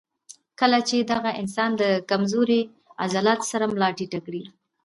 کله چې دغه انسان د کمزوري عضلاتو سره ملا ټېټه کړي